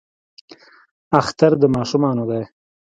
اختر د ماشومانو دی